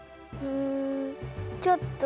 うん。